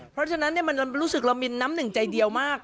เพราะฉะนั้นมันรู้สึกละมินน้ำหนึ่งใจเดียวมาก